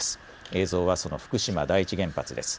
映像はその福島第一原発です。